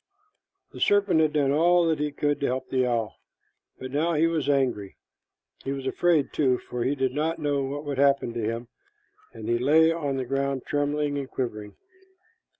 The serpent had done all that he could to help the owl, and now he was angry. He was afraid, too, for he did not know what would happen to him, and he lay on the ground trembling and quivering.